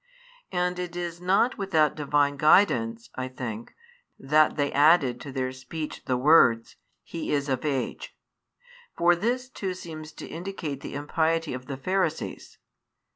And it is not without Divine guidance. I think, that they added to their speech the words: He is of age. For this too seems to indicate the impiety of the Pharisees.